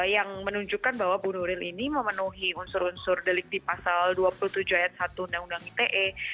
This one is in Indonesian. yang menunjukkan bahwa bu nuril ini memenuhi unsur unsur delik di pasal dua puluh tujuh ayat satu undang undang ite